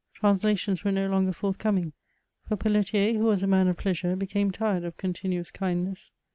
Translations were no longer forthcoming ; for Pelletier, who was a man of pleasure, became tired of coniinuous kindness.